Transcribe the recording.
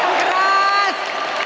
lagi yang keras